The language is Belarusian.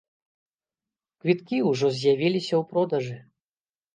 Квіткі ўжо з'явіліся ў продажы.